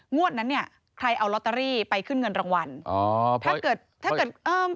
งวดนั้นเนี่ยใครเอาลอตเตอรี่ไปขึ้นเงินรางวัลอ๋อถ้าเกิดถ้าเกิดถ้าเกิดเอ่อ